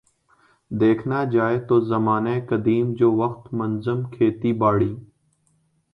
دیکھنا جائے تو زمانہ قدیم جو وقت منظم کھیتی باڑی